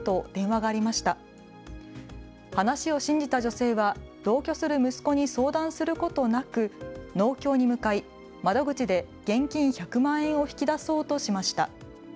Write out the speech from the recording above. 話を信じた女性は同居する息子に相談することなく農協に向かい窓口で現金１００万円を引き出そうとしました。